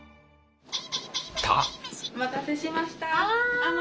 お待たせしました。